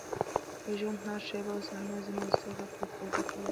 د ژونـد هـره شـيبه او صحـنه يـې زمـا د سـترګو پـر پـردو تېـرېده.